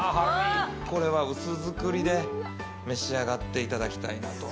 これは薄造りで召し上がっていただきたいなと。